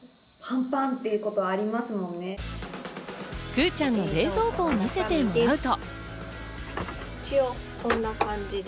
くぅちゃんの冷蔵庫を見せてもらうと。